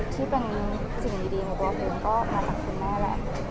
ที่เป็นสิ่งดีของตัวภูมิก็มาจากคุณแม่แหละ